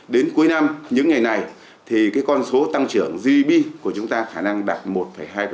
đến cuối năm những ngày này con số tăng trưởng gdp của chúng ta khả năng đạt một hai